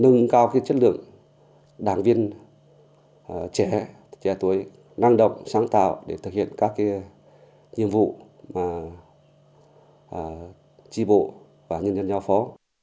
nhưng cao cái chất lượng đảng viên trẻ trẻ tuổi năng động sáng tạo để thực hiện các cái nhiệm vụ mà tri bộ và nhân dân nhau phó